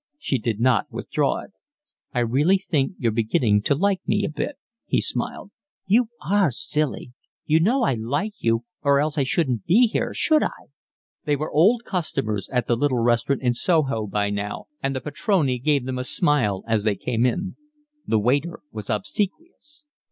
She did not withdraw it. "I really think you're beginning to like me a bit," he smiled. "You ARE silly, you know I like you, or else I shouldn't be here, should I?" They were old customers at the little restaurant in Soho by now, and the patronne gave them a smile as they came in. The waiter was obsequious.